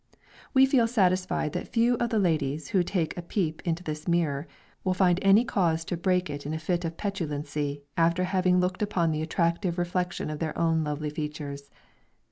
We feel satisfied that few of the ladies who take a peep into this mirror, will find any cause to break it in a fit of petulancy after having looked upon the attractive reflection of their own lovely features.